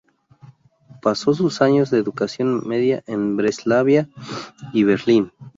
Pasó sus años de educación media en Breslavia y Berlín.